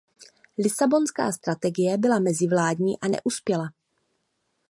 Lisabonská strategie byla mezivládní, a neuspěla.